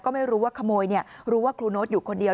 ก็ไม่รู้ว่าขโมยรู้ว่าครูโน๊ตอยู่คนเดียว